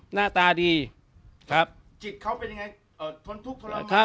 หน้าตาดีครับจิตเขาเป็นยังไงเอ่อทนทุกข์ทรทัศน์